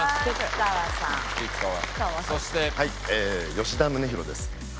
吉田宗洋です。